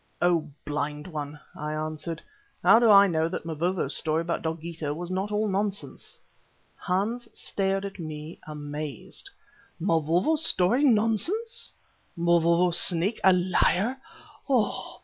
"Oh! blind one," I answered, "how do I know that Mavovo's story about Dogeetah was not all nonsense?" Hans stared at me amazed. "Mavovo's story nonsense! Mavovo's Snake a liar!